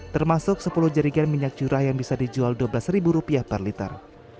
termasuk sepuluh jerigen minyak curah yang bisa dijual rp dua belas per liter